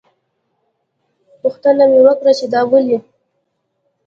پوښتنه مې وکړه چې دا ولې.